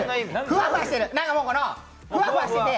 ふわふわしてる。